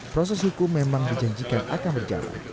proses hukum memang dijanjikan akan berjalan